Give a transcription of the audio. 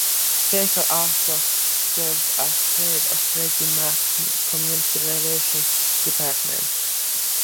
Baker also served as head of Freddie Mac's Community Relations department.